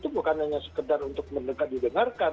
bukan hanya sekedar untuk mendekat didengarkan